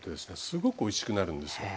すごくおいしくなるんですよ。